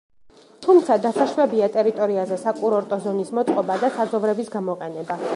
თუმცა დასაშვებია ტერიტორიაზე საკურორტო ზონის მოწყობა და საძოვრების გამოყენება.